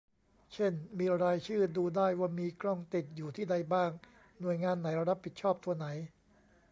เช่น มีรายชื่อดูได้ว่ามีกล้องติดอยู่ที่ใดบ้าง หน่วยงานไหนรับผิดชอบตัวไหน